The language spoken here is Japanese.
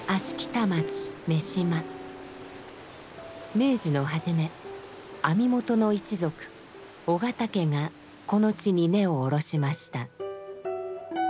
明治の初め網元の一族緒方家がこの地に根を下ろしました。